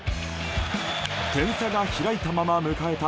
点差が開いたまま迎えた